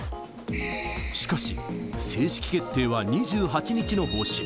しかし、正式決定は２８日の方針。